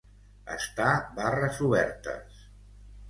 Estar barres obertes.